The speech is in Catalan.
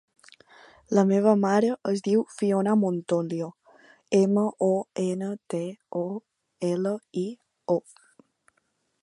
La meva mare es diu Fiona Montolio: ema, o, ena, te, o, ela, i, o.